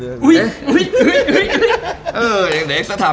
อุ้ยอุ้ยอุ้ย